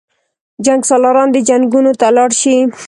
جنګسالاران دې جنګونو ته لاړ شي.